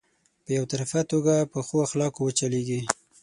په يو طرفه توګه په ښو اخلاقو وچلېږي.